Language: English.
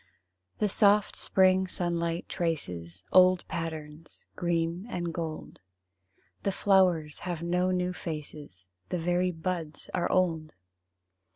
The soft spring sunlight traces Old patterns green and gold; The flowers have no new faces, The very buds are old!